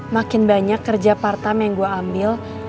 makin banyak kerja part time yang gue ambil